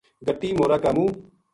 گَٹی مورا کا منہ